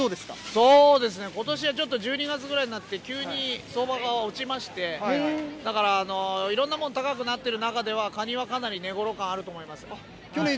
ことしはちょっと１２月ぐらいになって、急に相場が落ちまして、だから、いろんなもの高くなってる中では、カニはかなり値ごろ感あると思います。